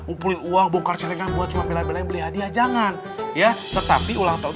ngumpulin uang bongkar cedengan buat cuma bela belain beli hadiah jangan ya tetapi ulang tahun